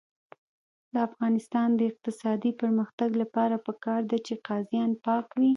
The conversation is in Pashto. د افغانستان د اقتصادي پرمختګ لپاره پکار ده چې قاضیان پاک وي.